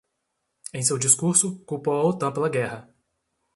Em seu discurso, culpou a Otan pela guerra